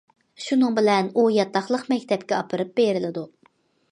شۇنىڭ بىلەن ئۇ ياتاقلىق مەكتەپكە ئاپىرىپ بېرىلىدۇ.